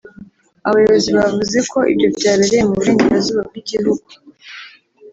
Abayobozi bavuze ko ibyo byabereye mu Burengerazuba bw’igihugu